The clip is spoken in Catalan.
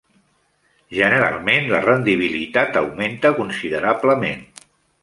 Generalment, la rendibilitat augmenta considerablement.